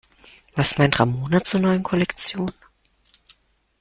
Was meint Ramona zur neuen Kollektion?